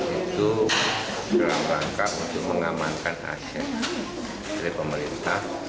itu dalam rangka untuk mengamankan aset dari pemerintah